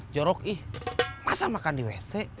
jorok ih masa makan di wc